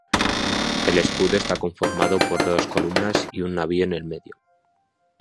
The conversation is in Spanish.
El escudo está conformado por dos columnas y un navío en el medio.